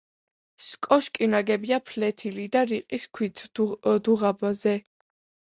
კოშკი ნაგებია ფლეთილი და რიყის ქვით, დუღაბზე.